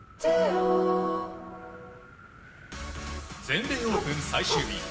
ＪＴ全米オープン最終日。